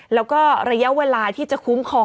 และระยะเวลาที่จะคุ้มคอม